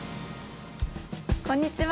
こんにちは。